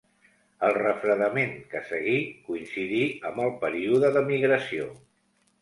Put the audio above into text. El refredament que seguí coincidí amb el període de migració.